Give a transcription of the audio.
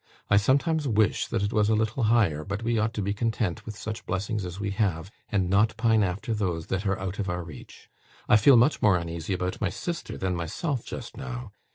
I sometimes wish that it was a little higher, but we ought to be content with such blessings as we have, and not pine after those that are out of our reach. I feel much more uneasy about my sister than myself just now.